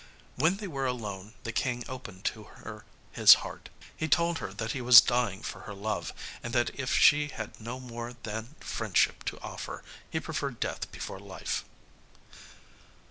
When they were alone the King opened to her his heart. He told her that he was dying for her love, and that if she had no more than friendship to offer, he preferred death before life.